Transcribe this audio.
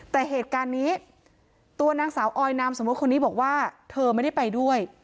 แต่เหตุการณ์นี้ตัวนางสาวออยนามสมมุติคนนี้บอกว่าเธอไม่ได้ไปด้วย